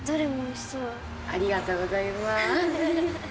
ありがとうございます。